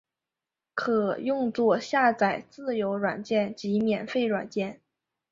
可用作下载自由软件及免费软件。